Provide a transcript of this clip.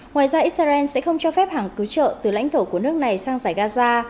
ngoài ra israel sẽ không cho phép hàng cứu trợ từ lãnh thổ của nước này sang giải gaza